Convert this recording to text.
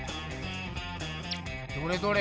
どれどれ？